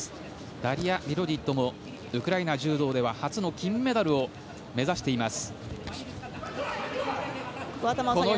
ダリア・ビロディッドもウクライナ柔道で初の金メダルを目指しています。